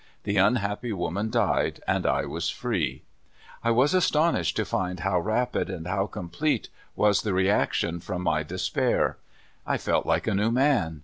The unhappy woman died, and I w^as free. I was as tonished to find how rapid and how^ complete was the reaction from my despair. I felt like a new man.